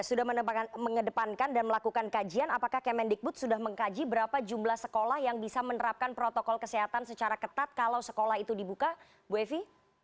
sudah mengedepankan dan melakukan kajian apakah kemendikbud sudah mengkaji berapa jumlah sekolah yang bisa menerapkan protokol kesehatan secara ketat kalau sekolah itu dibuka bu evi